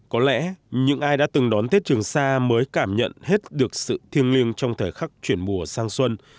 có lẽ những ai đã từng đón tết trường sa mới cảm nhận hết được sự thiêng liêng trong thời khắc chuyển mùa sang xuân